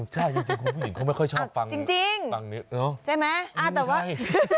ใช่จริงคุณผู้หญิงเขาไม่ค่อยชอบฟังจริงใช่ไหมอ้าวแต่ว่า